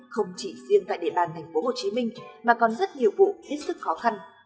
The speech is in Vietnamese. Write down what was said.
không chỉ riêng tại địa bàn tp hcm mà còn rất nhiều vụ hết sức khó khăn